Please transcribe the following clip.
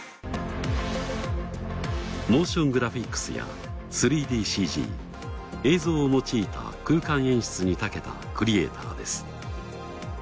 モーショングラフィックスや３ＤＣＧ映像を用いた空間演出に長けたクリエイターです。